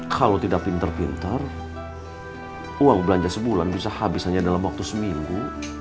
kalau tidak pinter pinter uang belanja sebulan bisa habis hanya dalam waktu seminggu